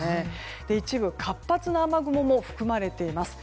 一部、活発な雨雲も含まれています。